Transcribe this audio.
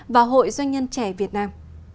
và hội doanh nhân trẻ việt nam